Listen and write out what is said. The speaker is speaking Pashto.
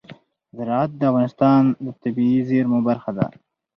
زراعت د افغانستان د طبیعي زیرمو برخه ده.